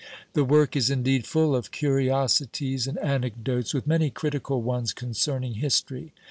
The work is indeed full of curiosities and anecdotes, with many critical ones concerning history.